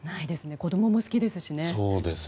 子供も好きですしね。